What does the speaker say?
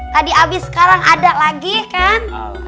tadi abis sekarang ada lagi kan